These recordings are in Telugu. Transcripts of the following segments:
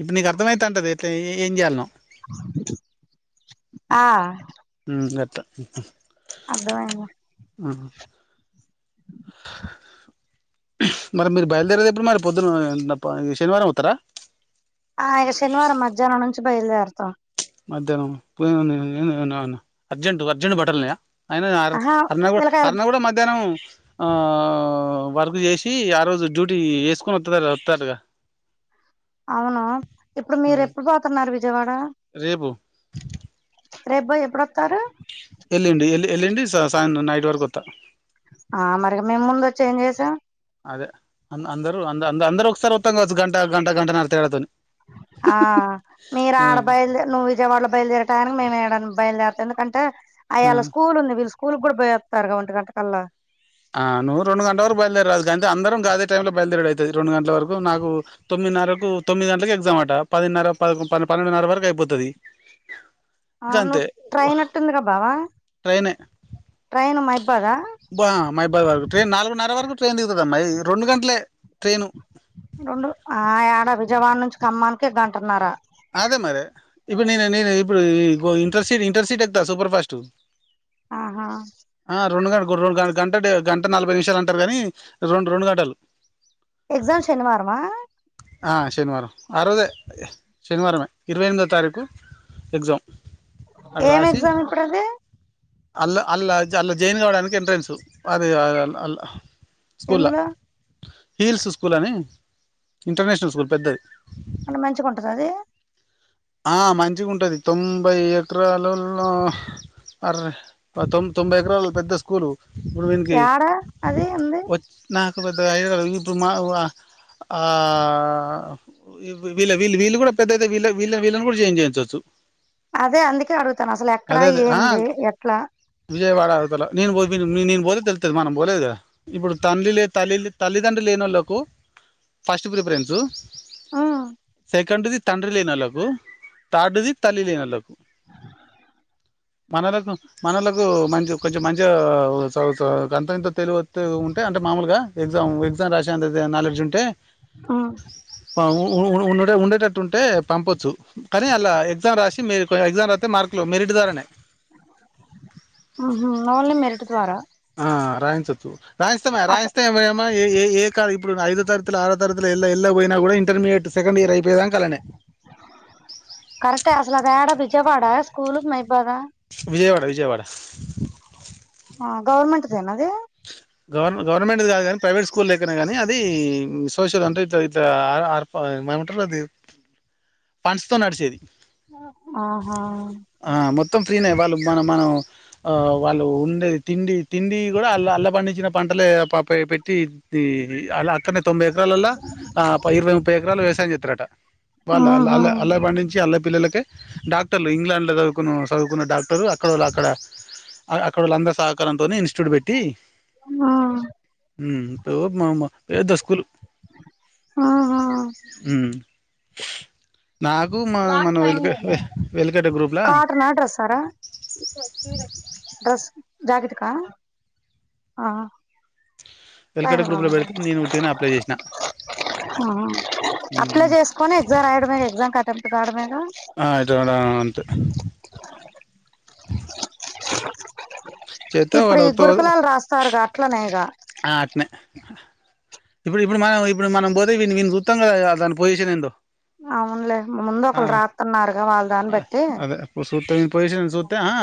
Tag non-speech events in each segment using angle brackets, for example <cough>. ఇప్పుడు నీకు అర్థమైతంటది ఎట్లా ఏం చేయాలనో ఆ గత అర్థమైంది ఆ మరి మీరు బయలుదేరేది ఎప్పుడు మరి పొద్దున్న శనివారం అవుతారా ఆ ఇక శనివారం మధ్యాహ్నం నుంచి బయలుదేరతాం మధ్యాహ్నం పను అర్జెంట్ అర్జెంట్ బాట్టల్ ఉన్నాయా అయినా అ ఆహా అర్న కూడా పిల్లకాయలు అర్న కూడ మధ్యాహ్నం ఆ వర్క్ చేసి ఆ రోజు డ్యూటీ వేసుకొని వత్త దంట వత్తదంటగా అవును ఇప్పుడు మీరు ఎప్పుడు పోతన్నారు విజయవాడ రేపు రేప్ పోయి ఎప్పుడొత్తారు ఎల్లుండి ఎల్లుండి సాయంత్రం నైట్ వరకు వత్తా ఆ మరి మేము ముందు వచ్చి ఏం చేసేమ్ అదే అ అందరుూ అంద అ అందరుూ ఒకసారె వస్తాం కావచ్చు గంట గంట గంట నర్రా తేడా తోని ఆ మీరు ఆడ బయల్ నువ్వు విజయవాడలో బయలుదేరటడానికి మేము ఏడని బయలుదేరత ఎందుకంటే ఆ అయ్యల స్కూల్ ఉంది వీళ్ళు స్కూల్ కూడా పోయేస్తారుగా ఒంటి గంట కల్లా ఆ నువ్వు రెండు గంట వరకు బయలుదేరరాదు కాగానీ అందరం గాదే టైంలో బయలుదేరడు అయితది రెండు గంటల వరకు నాకు తొమ్మిది తొమిన్నరకు తొమ్మిది గంటలకుకి ఎగ్జామ్ అట పదిన్నర పన్నెండున్నర వరకు అయిపోతది ఆ గంతే నువ్వు ట్రైన్ అట్టుంది గా బావా ట్రైనే ట్రైను మైబాదా బా మైబాద్ వరకు ట్రైన్ నాలుగున్నర వరకు ట్రైన్ దిగుతుదమ్మాయి రెండు గంటలే ట్రైను రెండు ఆ ఎడ విజయవాడ నుంచి ఖమ్మానికి గంటన్నర అదే మరి ఇప్పుడు నేను నేను ఇప్పుడు ఇంటర్ సీట్ ఇంటర్ సీట్ ఎక్తా సూపర్ ఫాస్టు ఆహా ఆ రెండు గ రెండు గ గంట గంట నలభై నిమిషాలు అంటారు కాని రెండు రెండు గంటలు ఎగ్జామ్ శనివారమా ఆ శనివారం ఆ రోజే శనివారమే ఇరవై ఎనిమిదో తారీకు ఎక్జామ్ ఏం ఎగ్జామ్ ఇప్పుడది అల్లా అల్లా అల్లా జైన్ కావడానికి ఎంట్రెన్సు అదే అ అల్ ఎందులో హీల్స్ స్కూల్ అని ఇంటర్నేషనల్ స్కూల్ పెద్దది అంటే మంచిగుంటది అది ఆ మంచిగా ఉంటది తొంభై ఎకరాలూ అర తొ తొంభై ఎకరాలు పెద్ద స్కూలు ఇప్పుడు వీనికి యాడా అది ఉంది వ నాకు పెద్దగాఐ ఇప్పుడు మా ఆ వళ్ళ వీళ్ళ వీళ్ళ కూడా పెద్దతే వీళ్ళ విళ్ళ విళ్ళని కూడా జాయిన్ చేయించవచ్చు అదే అందుకే అడుగుతను అసలు ఎక్కడా అదే అదే ఆ ఏంది ఎట్లా విజయవాడ అవతల నేను పోత్ తెల్తాది నేను పోతే తెలుత్తది మనం పోలేదు గద ఇప్పుడు తండ్లిలే తల్లిలే తల్లిదండ్రి లే లేనోళ్లకు ఫస్ట్ ప్రిఫరెన్సు ఉమ్ సెకండ్ ది తండ్రి లేనొళ్లకు తార్డ్ ది తల్లి లేనాళ్లకు మనలను మనలకూ మంచి కొంచెం మంచిగా సౌ సొ గంతో ఇంతో తెలివొత్తే ఉంటే అంటె మామూలుగా ఎగ్జాం ఎగ్జాం రాసేంత నాలెడ్జ్ ఉంటే మ్ ఆ ఉ ఉ ఉన్ ఉండే ఉండేటట్టుంటే పంపొ చు కానీ అన్ద్లా ఎగ్జామ్ రాసి మీకు ఎగ్జాం రాత్తే మార్కులు మెరిట్ ద్వారానే మ్ హు ఓన్లీ మెరిట్ ద్వారా ఆ రాయించచ్చు, రాయిస్తమయా అస రాయిస్తే ఎం ఏమాయ్ ఏ ఏ ఏంకా ఇప్పుడు ఐదు తరతులు ఆరో తరతులు ఎల్ల ఎల్లపోయినా గూడా ఇంటర్మీడియట్ సెకండ్ ఇయర్ అయిపోయేదాంక అల్లనే కరెక్టే అసలు అది యాడ విజయవాడ స్కూలు మైబాదా విజయవాడ విజయవాడ ఆ గవర్నమెంట్ దేనా అదీ గవర్న గవర్నమెంట్ ది కాదు కాని ప్రైవేట్ స్కూల్ లెక్కనేగాని అదీ సోషల్ అంటే ఇట్ల ఇట్ల ఆ అర్ప ఆ మ్మ ఏమంటరు అది ఫండ్స్ తో నడిచేది. ఆహా. వాళ్లు మనం మనం ఆ వాళ్లు ఉండే తిండి తిండి గూడా అల్ల అల్ల పండి దించిన పంటలే పాపయి పెట్టి ద్దీ అలా అక్క నీ తొంభై ఎకరాాలలా ఆ పై ఇరవై ముప్పై ఎకరాలు వ్యసాయం చేత్తరట. వాల్లు ఆల్ ఆహా ఆల్ల ఆల్ల బడినించి ఆల్ల పిల్లలకే డాక్టర్లు ఇంగ్లాండ్ లో చదువు కును చదువుకున్న డాక్టరు అక్కడోళ్ల అక్కడ అ అక్కడోళ్ల అందరి సహకారంతోనే ఇన్స్టిట్యూట్ పెట్టీ ఆ మ్ తోబ్ మామ ఏ దస్కులు. ఆహా మ్ క్లాత్ మన వెలుక లైనింగ్ ఇయ్య, వెలుకట గ్రూప్లా కాటనా డ్రస్సారా. డ్రెస్ జాకెట్ కా ఆ ఆ పే వెలుకట గ్రూప్లో పెడితే <unintelligible> ఆ నేను ఉట్టిగానే అప్లై చేసిన ఆ అప్లై జేస్కొని ఎగ్జాం రాయడమే, ఎగ్జాంకి అటెంప్ట్ కాడమే. ఆ అయితే అదా ఆ ఆ అంతె. చేస్తే ఇప్పుడు ఈ గురుకులాలు రాస్తారుగా అట్లనేగా. ఆ అట్నె. ఇప్పుడు ఇప్పుడు మనం ఇప్పుడు మనం బోతే వీన్ని వీన్ని సూత్తాం కదాయా దాని పొజిషన్ ఏందొ. అవునులే ముందు ఒకలు రాత్తన్నారుగా వాల దాన్ని బట్టీ అదే చూస్తే వీని పొజిషన్ సూత్తే ఆ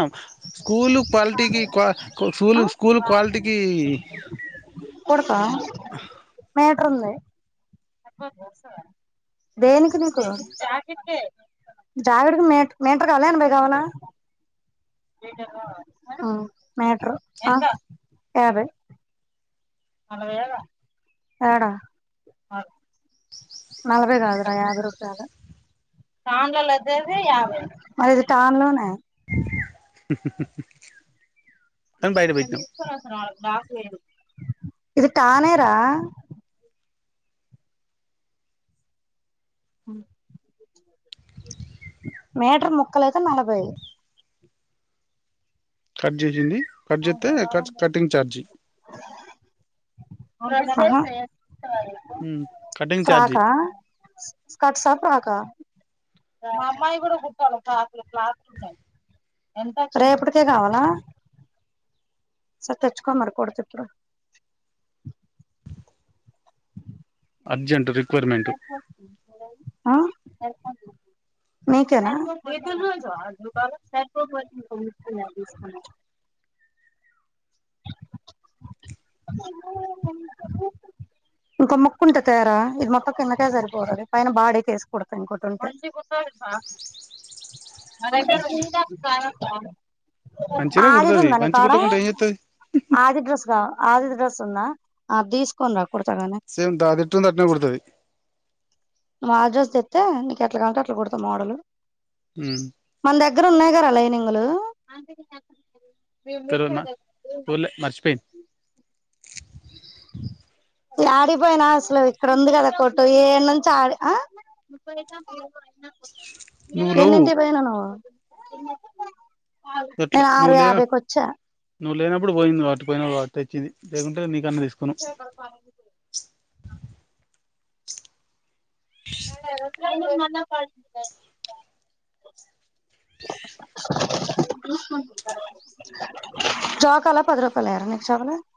స్కూలు క్వాలిటీకి క్వా క ఆ స్కూలు స్కూలు క్వాలిటీకీ కొడుతా మీటర్ ని. సరిపోతదా వస్తదా, దేనికి నీకు, జాకెట్ కే. జావిడికి మీట్ మీటర్ కావాలా, ఎనభై కావాలా జేజమ్మా, ఆ మీటరు, ఆ ఎంత యాబై. నల్లవై ఏళ్లా ఏడ ఆగు నలభై కాదురా యాభై రూపాయలు. తాన్లలో ఒచ్చేసీ యాభై, మరి ఇది తాన్లోనే. హి హీ హి నేన్ తీస్తా సార్, సార్ లేరు. ఇది టానేరా మీటర్ ముక్కలు అయితే నలభై. కట్ జేషింది, కట్ జేత్తే కర్చ్ కటింగ్ ఛార్జి. ఓయ్ <unintelligible> సే చూస్తవా ఏస్కోని, కటింగ్ ఛార్జీ ఫ్రాకా స్ స్కర్ట్సా ఫ్రాకా. గ మ అమ్మాయి కూడా కుట్టలె క్లాత్ లు క్లాత్లు కుట్టలే ఎంత చెప్పు రేపటికే కావాలా సరే తెచ్చుకో మరి కుడ్త ఇప్పుడూ అర్జెంట్ రిప్ హా <inaudible> నీకేనా ఏమో ఏమో ఇంకో మొక్క ఉంటే తెరా ఇది మొక్క కిందకే సరిపోతది పైన బాడికి వేసుకోడా ఇంకోటి ఉంటే ఆ మంచి మంచిగా ఆదిది కుడుతుంది ఉందా మంచి నికాడ కుట్టకుంటే ఏం చేస్తుంది ఆది డ్రస్ కా ఆది డ్రెస్ ఉందా అ అది తీసుకొని రా కుడతా గాని సేమ్ ద ఆది ఎట్ట ఉందో అట్నే కొడ్తది నువ్ అడ్రస్ చెప్తే నీకు ఎట్లా కావాలంటే అట్లా కుడతా మోడల్ హ్మ్ మన దగ్గర ఉన్నాయిగా ర లైనింగ్ లు తెరుమ్మ పోలే మార్చిపేయిడ్ యాడికిపోయినా అసలు ఇక్కడ ఉంది కదా కొట్టు ఏడనుంచి ఆడే హ నువ్వు లేవు ఎన్నింటికి పెయినవ్ నువ్వు గట్లా నేను ఆరు నువు లేనా యాభైకి వచ్చా నువ్ లేనప్పుడు పోయింది వాటి పోయినప్పుడు వాటి తెచ్చింది లేకుంటే నీకన్న తీసుకోను <unintelligible> <inaudible> జోకాల పది రూపాయలు ఎయ్యల నెస్ట్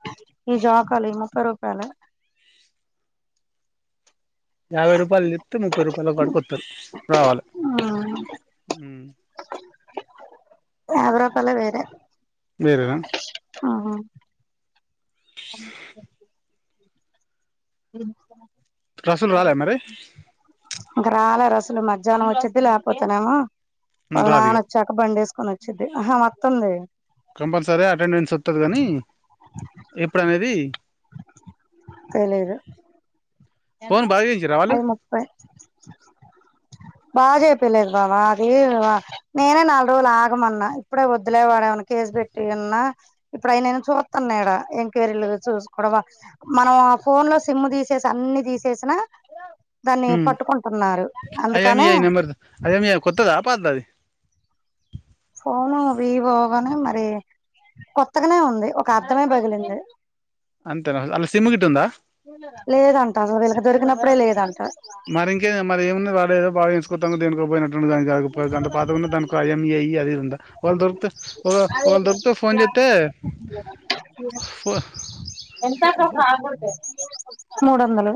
<unintelligible> ఈ జోకాలె ఈ ముప్పై రూపాయలు యాభై రూపాయలు చెప్తే ముప్పై రూపాయల కాడికి ఒత్తరు రావాలె ఉమ్ యాబై రూపాలే వేరే వేరేనా ఆహా ఉమ్ కసులు రాలే మరి ఇంక రాలే రసలు మధ్యాహ్నం వచ్చేది లేకపోతున్నానేమో వాళ్ళ రాదు నాన్న ఇగ వచ్చాక బండెస్కుని కొని ఓచ్చిది ఆహా మొతుంది కంపల్సరీ అటెండెన్స్ ఓత్తది కాని ఎప్పుడు అనేది తేలిదు ఫోన్ బాగా చేయించిర్రా వాళ్ళు అది ముప్పై బాజేపియాలేదు బావ అది వ నేనే నాలుగు రోజులు ఆగమన్నా ఇప్పుడే వదిలే వాడ కేసు పెట్టియ్యి అన్న ఇప్పుడు ఆయన ఏదో చూస్తునడు ఎంక్వైరీలు చూసుకోవడ మనం ఆ ఫోన్ లో సిమ్ తీసేసి అన్ని తీసేసిన దాన్ని పట్టుకుంటున్నారు అందుకనే ఐఎంఈఐ నెంబర్ ఐఎంఈఐ కొత్తదా పాతదా అది పోను వీవోవని మరి కొత్తగనే ఉంది ఒక అద్దమే పగిలింది అంతేనా అల్ల సిమ్ గిట్ట ఉందా లేదంట అసలు వీళ్ళకి దొరికినప్పుడే లేదన్ మరి ఇంకే మరి ఏముంది వాళు ఏదో బాగాచేసుకోదము దేనికో పోయినడ్ ముగంగకపోయ దాంట్లో పాతవున్న దానికన్ని అవి ఇవి ఉండ వాళ్ళు దొరికితే వ వాళ్ళు దొరికితే ఫోన్ చేస్త్ తే ఎంత కొప్ప ఆగద మూడు వందలు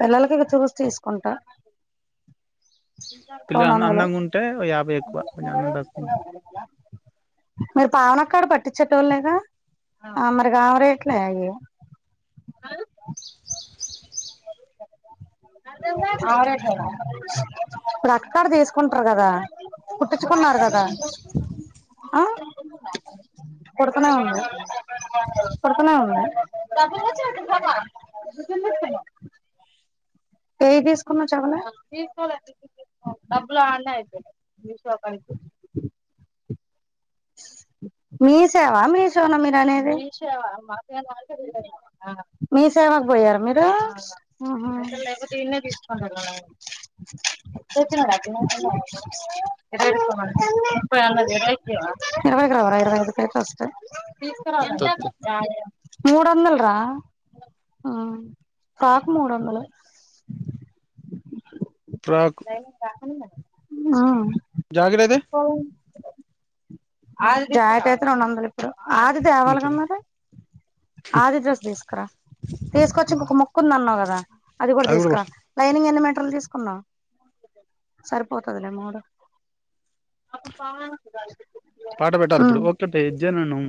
పిల్లలకివి చూసి తీసుకుంటా పిల్ల రెండు వందలు అందంగా ఉంటే యాభై ఎక్కువ కొంచం అందం తకువుంటే మరి పావనక్క కాడ పట్టించేటోల్లేగా ఆ మరిగామరేట్లే అవి ఇప్పుడు అక్కడ తీసుకుంటారు కదా కుట్టించుకున్నారు కదా ఆ కొడుతుననే ఉండు కొడుతున్నా ఉన్నా ఏవి తీసుకున్నావు చమల డబ్బులు ఆన్నా అయిపోయినయ్ విశవాకాడికి మీ సేవా మీషో నా మీరు అనేది మీ మీ సేవకు పోయారు మీరు ఉమ్ హు సచ ఇ ఇరవైకి రావు రా ఇరవైఐదు కి వస్తాయి వత్తు మూడు వందల రా ఫ్రాక్ మూడు వందలు ఫ్రాక్ ఆ జాగర ఇతే ఆది జాయిత అయితే ఉండిందాల ఇప్పుడు ఆది అంతే దేవాలగా మరి ఆదిచూసి తీసుకురా తీసుకొచ్చి ఇంకక ముక్కు ఉంది అన్నావు కదా అది కూడా తీసుకురా లైనింగ్ ఎంట తిస్కునావ్ సరిపోతాది లే మూడు పాట పెట్టాలి ఇప్పుడు ఒకేటే జననం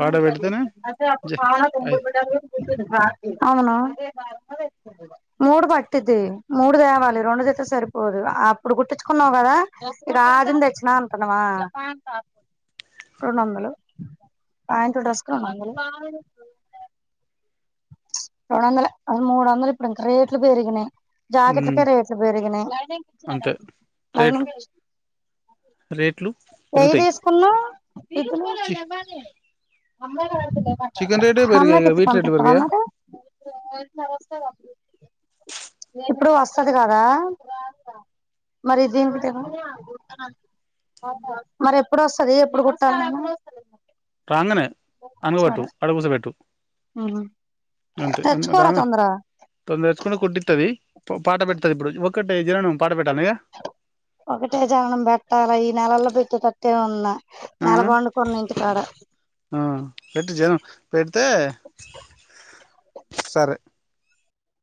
పాట పెడితేనే జ అయి అవునా మూడు పట్టిది మూడు తేవాలి రెండుదితే సరిపోదు అప్పుడు గుట్టించుకున్నావు కదా రాజంతచ్చనా అంటనవా రెండు వందలు ప్యాంట్ డ్రెస్ క రెండు వందలు రెండు వందల అ మూడు వందలు ఇప్పుడు ఇంకా రేట్లు పెరిగినాయి ఉమ్, జాకెట్లకే రేట్లు పెరిగినాయి అంతే రేట్లు లైనింగ్ రేట్లు ఏవి పెరుగుతాయి తీసుకున్నా చి చికెన్ రేటే పెరిగాయి ఆనక ఇక ఇచి వీటి రేట్లు పంపిస్తావా పెరిగాయా మరి ఇప్పుడు వస్తది కదా మరి దీనికి మరి ఎప్పుడు వస్తంది ఎప్పుడు కుట్టాలి రాాంగన్ అనుగు పెట్టు సరే అడగుస పెట్టు అంతే తెచ్చుకోరా రాంగ తొందరగా తొంద ఎచకంట కొటితది పాట పెడతారు ఇప్పుడు ఒకటే జననుం పాట పెట్ట ఒకటే జననం పెట్టాల ఈ నెలల్లో పెట్టేటట్టే ఉంద ఆ నెలబాండు కొన్నించుతడ ఆ పెట్టు జనం పెడితే సరే